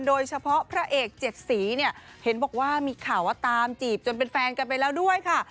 พระเอกเจ็ดสีเนี่ยเห็นบอกว่ามีข่าวว่าตามจีบจนเป็นแฟนกันไปแล้วด้วยค่ะ